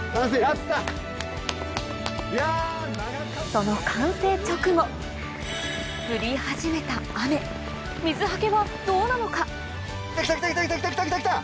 その完成直後降り始めた雨水はけはどうなのか？